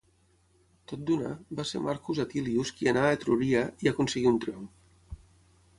Tot d'una, va ser Marcus Atilius qui anà a Etruria i aconseguí un triomf.